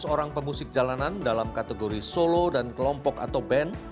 dua belas orang pemusik jalanan dalam kategori solo dan kelompok atau band